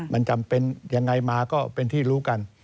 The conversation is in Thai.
มันจำเป็นยังไงมาก็เป็นที่รู้กัน